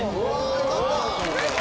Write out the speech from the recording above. よかった。